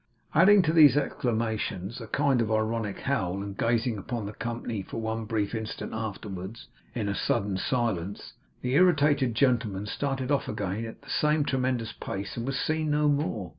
Adding to these exclamations a kind of ironical howl, and gazing upon the company for one brief instant afterwards, in a sudden silence, the irritated gentleman started off again at the same tremendous pace, and was seen no more.